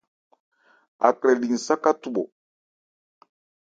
Akrɛ li nsáká thubhɔ.